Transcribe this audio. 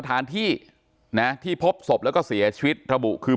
สถานที่นะที่พบศพแล้วก็เสียชีวิตระบุคือ